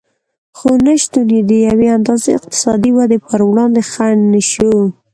خو نشتون یې د یوې اندازې اقتصادي ودې پر وړاندې خنډ نه شو